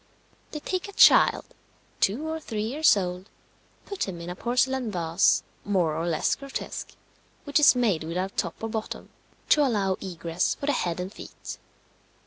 They take a child, two or three years old, put him in a porcelain vase, more or less grotesque, which is made without top or bottom, to allow egress for the head and feet.